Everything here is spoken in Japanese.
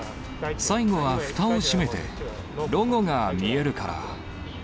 最後はふたを閉めて、ロゴが見えるから。